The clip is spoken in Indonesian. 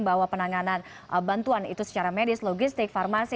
bahwa penanganan bantuan itu secara medis logistik farmasi